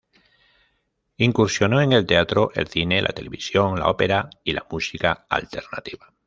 Incursionó en el teatro, el cine, la televisión, la ópera y la música alternativa.